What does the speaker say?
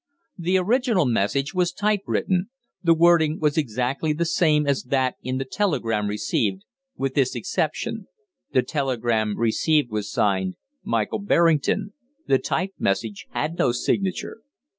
The original message was type written. The wording was exactly the same as that in the telegram received, with this exception the telegram received was signed "Michael Berrington," the typed message had no signature.